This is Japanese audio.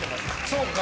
そうか。